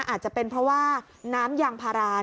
อาจจะเป็นเพราะว่าน้ำยางพารา